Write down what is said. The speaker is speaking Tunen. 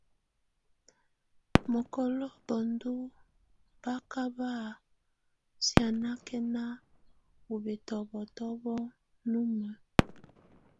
Mɔkɔlɔ bendu baka ba sianakɛna ɔ bɛtɔbɔtɔbɔ numə.